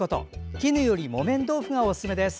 絹より木綿豆腐がおすすめです。